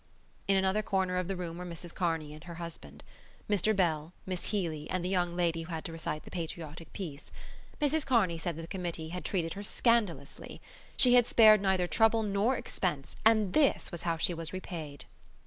In another corner of the room were Mrs Kearney and her husband, Mr Bell, Miss Healy and the young lady who had to recite the patriotic piece. Mrs Kearney said that the Committee had treated her scandalously. She had spared neither trouble nor expense and this was how she was repaid.